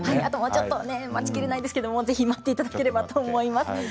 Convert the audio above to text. もうちょっと待ちきれないですけれどもぜひ待っていただければと思います。